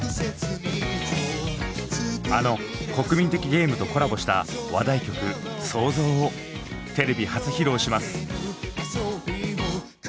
あの国民的ゲームとコラボした話題曲「創造」をテレビ初披露します。